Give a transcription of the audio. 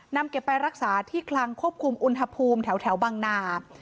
นำเก็บไปรักษาที่คลังควบคุมอุณหภูมิแถวบังนา